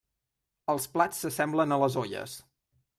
Els plats s'assemblen a les olles.